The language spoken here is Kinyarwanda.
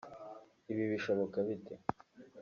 Ibi bishoboka bite